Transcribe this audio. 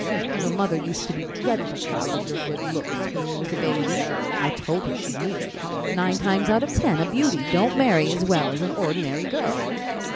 Your mother used to be dreadful proud of your good looks when you was a baby. I told her she needn't be. Nine times out of ten a beauty don't marry as well as an ordinary girl."